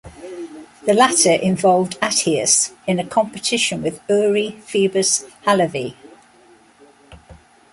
The latter involved Athias in a competition with Uri Phoebus Halevi.